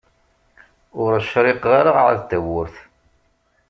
Ur cṛiqeɣ ara ɛad tawwurt.